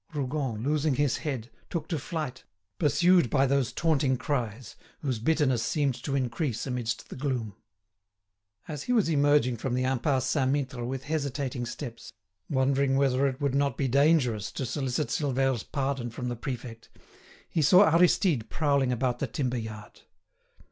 Rougon, losing his head, took to flight, pursued by those taunting cries, whose bitterness seemed to increase amidst the gloom. As he was emerging from the Impasse Saint Mittre with hesitating steps, wondering whether it would not be dangerous to solicit Silvère's pardon from the prefect, he saw Aristide prowling about the timber yard.